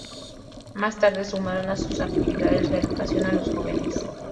Más tarde, sumaron a sus actividades la educación a los jóvenes.